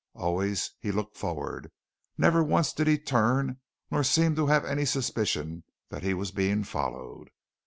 Always he looked forward; never once did he turn nor seem to have any suspicion that he was being followed.